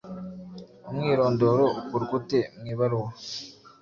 Umwirondoro ukorwa ute mwibaruwa